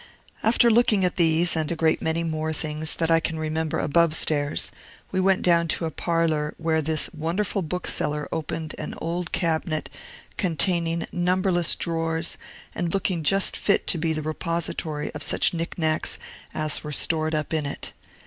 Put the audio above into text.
After looking at these, and a great many more things than I can remember, above stairs, we went down to a parlor, where this wonderful bookseller opened an old cabinet, containing numberless drawers, and looking just fit to be the repository of such knick knacks as were stored up in it.